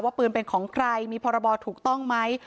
ปืนเป็นของใครมีพรบถูกต้องไหม